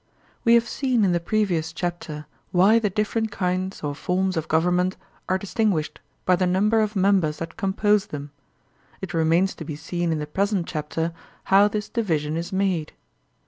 We have seen in the previous chapter why the diflEer ent kinds or forms of government are distinguished by the number of members that compose them; it remains to be seen in the present chapter how this division is made.